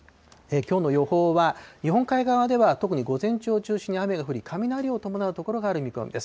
きょうの予報は、日本海側では特に午前中を中心に雨が降り、雷を伴う所がある見込みです。